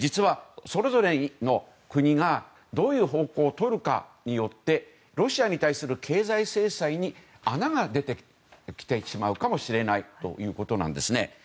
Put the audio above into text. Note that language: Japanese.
それぞれの国がどういう方向をとるかによってロシアに対する経済制裁に穴が出てきてしまうかもしれないということです。